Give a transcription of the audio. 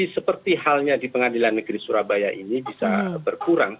seperti halnya di pengadilan negeri surabaya ini bisa berkurang